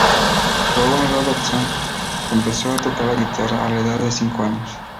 Rowan Robertson empezó a tocar la guitarra a la edad de cinco años.